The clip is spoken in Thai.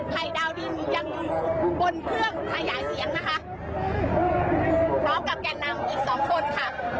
ดาวดินยังอยู่บนเครื่องขยายเสียงนะคะพร้อมกับแก่นำอีกสองคนค่ะ